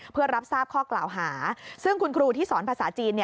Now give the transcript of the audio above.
เพื่อรับทราบข้อกล่าวหาซึ่งคุณครูที่สอนภาษาจีน